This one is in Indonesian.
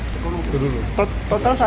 sekarang sudah diperiksa